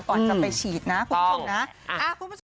ก่อนจะไปฉีดนะคุณผู้ชมนะต้อง